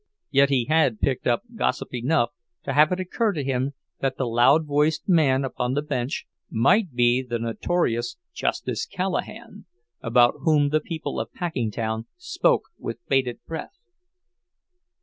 Yet he had picked up gossip enough to have it occur to him that the loud voiced man upon the bench might be the notorious Justice Callahan, about whom the people of Packingtown spoke with bated breath.